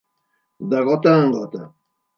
De gota en gota.